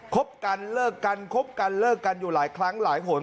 บกันเลิกกันคบกันเลิกกันอยู่หลายครั้งหลายหน